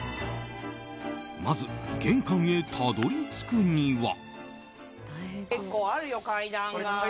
まず玄関へたどり着くには。